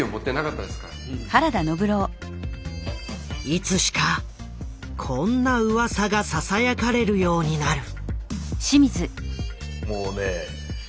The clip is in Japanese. いつしかこんなウワサがささやかれるようになる。